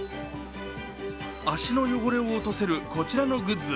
足の汚れを落とせる、こちらのグッズ。